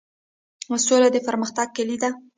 سوله د پرمختګ کیلي ده؟